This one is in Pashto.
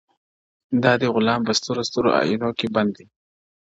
دا دی غلام په سترو ـ سترو ائينو کي بند دی _